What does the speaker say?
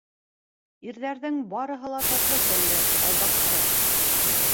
Ирҙәрҙең барыһы ла татлы телле алдаҡсы!